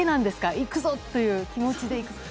行くぞという気持ちで？